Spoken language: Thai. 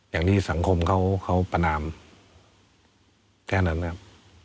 อย่างที่สังคมเขาประนามแค่นั้นนะครับ